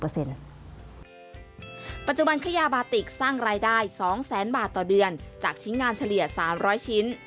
ปัจจุบันขยาบาติกสร้างรายได้๒แสนบาทต่อเดือนจากชิ้นงานเฉลี่ย๓๐๐ชิ้น